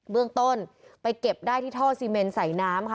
เบื้องต้นไปเก็บได้ที่ท่อซีเมนใส่น้ำค่ะ